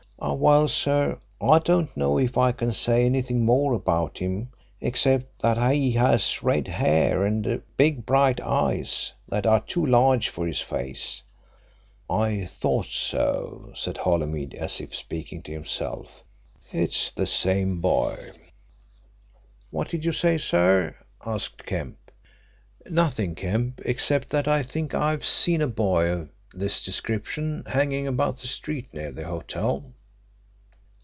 "Well, sir, I don't know if I can say anything more about him except that he has red hair and big bright eyes that are too large for his face." "I thought so," said Holymead as if speaking to himself. "It's the same boy." "What did you say, sir?" asked Kemp. "Nothing, Kemp, except that I think I've seen a boy of this description hanging about the street near the hotel."